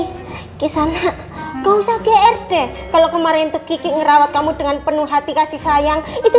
hei kesana kau saja rd kalau kemarin tuh kiki ngerawat kamu dengan penuh hati kasih sayang itu